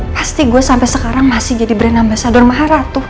pasti gue sampe sekarang masih jadi brand ambasador maharatu